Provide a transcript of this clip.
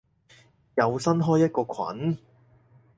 又新開一個群？